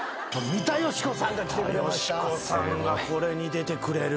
三田佳子さんがこれに出てくれる。